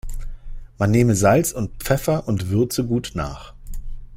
Man nehme Salz und Pfeffer und würze gut nach.